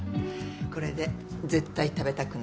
これで絶対食べたくなる。